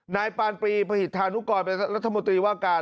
นายปานปรีพหิตธานุกรเป็นรัฐมนตรีว่าการ